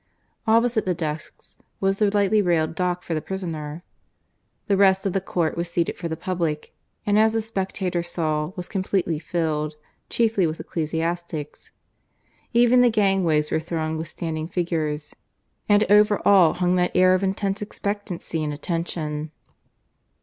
Opposite the desks was the lightly railed dock for the prisoner. The rest of the court was seated for the public, and as the spectator saw, was completely filled, chiefly with ecclesiastics. Even the gangways were thronged with standing figures. And over all hung that air of intense expectancy and attention.